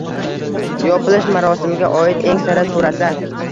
Yopilish marosimiga oid eng sara suratlar